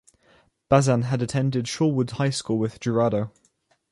Bazan had attended Shorewood High School with Jurado.